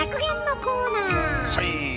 はい。